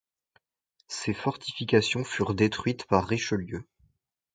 Ses fortifications furent détruites par Richelieu.